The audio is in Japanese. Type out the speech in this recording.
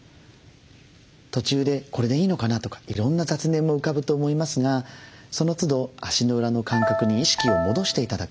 途中で「これでいいのかな」とかいろんな雑念も浮かぶと思いますがそのつど足の裏の感覚に意識を戻して頂く。